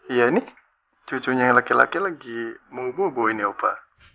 iya ini cucunya yang laki laki lagi menghubungi bawah ini ya opa